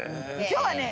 今日はね